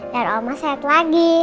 biar oma sehat lagi